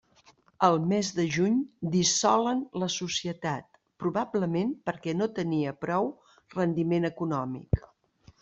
El mes de juny dissolen la societat, probablement perquè no tenia prou rendiment econòmic.